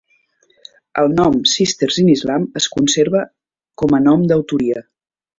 El nom "Sisters in Islam" es conserva com a nom d'autoria.